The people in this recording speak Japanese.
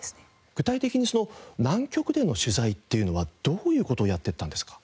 具体的に南極での取材っていうのはどういう事をやっていったんですか？